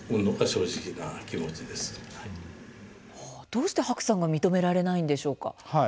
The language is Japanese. どうして白さんが認められないんでしょうか？